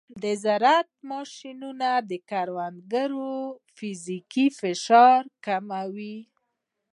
د زراعت ماشینونه د کروندګرو فزیکي فشار کموي.